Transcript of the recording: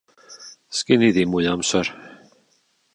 Sgin i ddim mwy o amser.